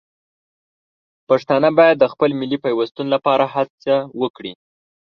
پښتانه باید د خپل ملي پیوستون لپاره هڅه وکړي.